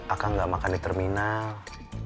akang gak makan di terminal